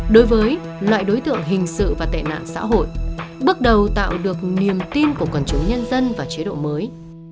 đối với loại đối tượng hình sự và tệ nạn xã hội bước đầu tạo được niềm tin của quần chúng nhân dân vào chế độ mới